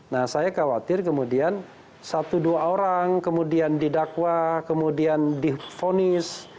nah saya khawatir kemudian satu dua orang kemudian didakwa kemudian difonis